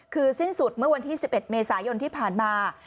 คือสิ้นสุดเมื่อวันที่๑๑เมษายนที่ผ่านมา